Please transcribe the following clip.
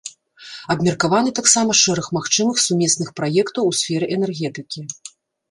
Абмеркаваны таксама шэраг магчымых сумесных праектаў у сферы энергетыкі.